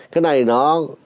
cái này nó